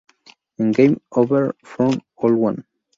En "Game Over for Owlman!